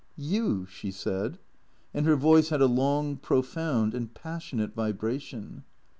"You?" she said, and her voice had a long, profound and passionate vibration.